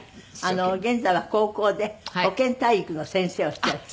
現在は高校で保健体育の先生をしていらっしゃる。